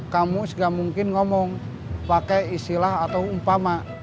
kamu juga mungkin ngomong pakai istilah atau umpama